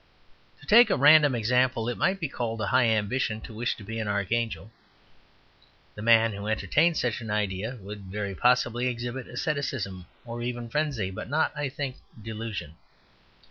To take a random example. It might be called a high ambition to wish to be an archangel; the man who entertained such an ideal would very possibly exhibit asceticism, or even frenzy, but not, I think, delusion.